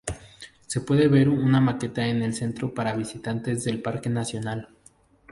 Se puede ver una maqueta en el centro para visitantes del Parque Nacional.